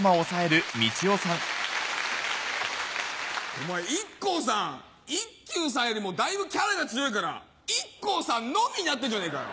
お前ＩＫＫＯさん一休さんよりもだいぶキャラが強いからＩＫＫＯさんのみになってんじゃねえかよ。